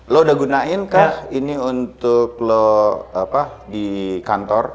lo udah gunain kah ini untuk lo di kantor